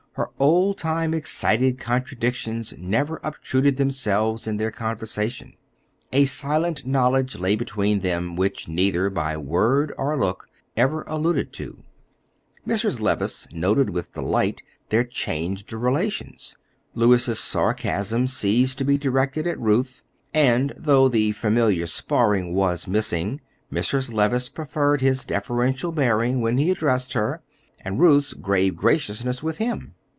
Her old time excited contradictions never obtruded themselves in their conversations. A silent knowledge lay between them which neither, by word or look, ever alluded to. Mrs. Levice noted with delight their changed relations. Louis's sarcasm ceased to be directed at Ruth; and though the familiar sparring was missing, Mrs. Levice preferred his deferential bearing when he addressed her, and Ruth's grave graciousness with him.